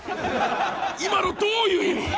今のどういう意味？